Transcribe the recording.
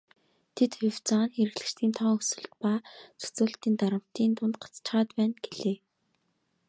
Тэд "хувьцаа нь хэрэглэгчдийн тоон өсөлт ба зохицуулалтын дарамтын дунд гацчихаад байна" гэлээ.